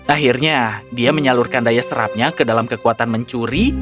akhirnya dia menyalurkan daya serapnya ke dalam kekuatan mencuri